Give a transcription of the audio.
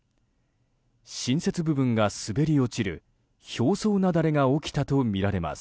新雪部分が滑り落ちる表層雪崩が起きたとみられます。